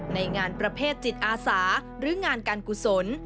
ในงานประเภทจิตอาสาหรืองานการกุศล